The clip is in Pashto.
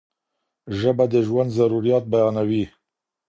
ژبه د ژوند ضروريات بیانوي.